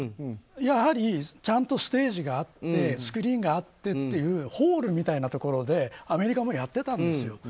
やはりちゃんとステージがあってスクリーンがあってというホールみたいなところでアメリカもやってたんですよ。